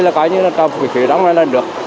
là coi như là cầu phía đóng này là được